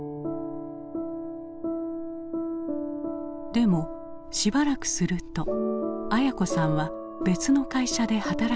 でもしばらくすると文子さんは別の会社で働き始めた。